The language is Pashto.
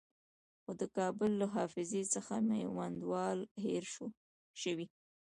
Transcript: خو د کابل له حافظې څخه میوندوال هېر شوی.